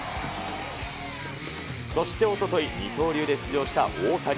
そしておととい、二刀流で出場した大谷。